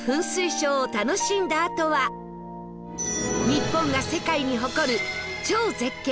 日本が世界に誇る超絶景